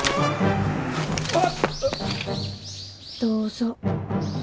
どうぞ。